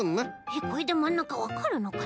これでまんなかわかるのかな？